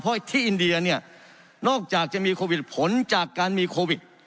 เพราะที่อินเดียเนี่ยนอกจากจะมีโควิดผลจากการมีโควิด